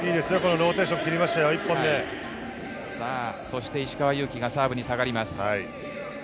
ローテーションをそして石川祐希がサーブに下がります。